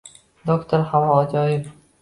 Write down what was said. Doktor havo ajoyib